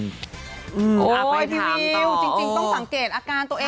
โอ้ยพี่วิวจริงต้องสังเกตอาการตัวเอง